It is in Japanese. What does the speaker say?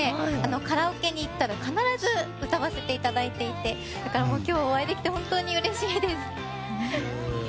カラオケに行ったら必ず歌わせていただいていてだから今日お会いできて本当にうれしいです。